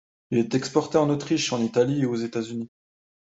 Il est exporté en Autriche, en Italie et aux États-Unis.